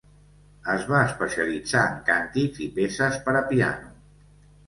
Es va especialitzar en càntics i peces per a piano.